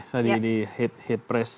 tadi di hit press